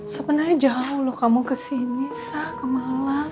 sebenarnya jauh loh kamu kesini sa kemalam